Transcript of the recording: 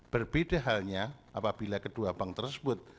berbeda halnya apabila kedua bank tersebut